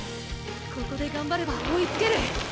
ここで頑張れば追いつける。